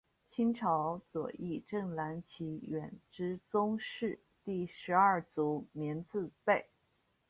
清朝左翼正蓝旗远支宗室第十二族绵字辈。